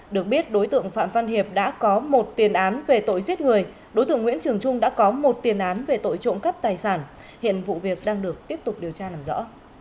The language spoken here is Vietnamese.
được biết đối tượng phạm văn hiệp đã có một tiền án về tội giết người đối tượng nguyễn trường trung đã có một tiền án về tội trộm cắp tài sản hiện vụ việc đang được tiếp tục điều tra làm rõ